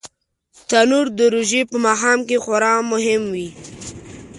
تنور د روژې په ماښام کې خورا مهم وي